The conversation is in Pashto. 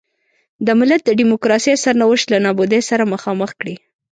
د ملت د ډیموکراسۍ سرنوشت له نابودۍ سره مخامخ کړي.